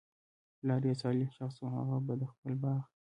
پلار ئي صالح شخص وو، هغه به د خپل باغ